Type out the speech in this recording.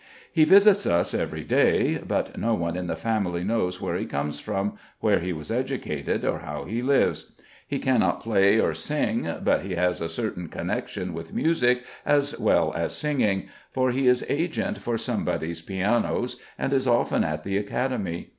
He visits us every day; but no one in the family knows where he comes from, where he was educated, or how he lives. He cannot play or sing, but he has a certain connection with music as well as singing, for he is agent for somebody's pianos, and is often at the Academy.